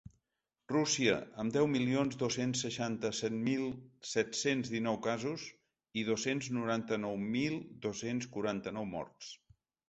Rússia, amb deu milions dos-cents seixanta-set mil set-cents dinou casos i dos-cents noranta-nou mil dos-cents quaranta-nou morts.